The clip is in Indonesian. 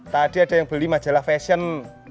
tadi ada yang beli majalah fashion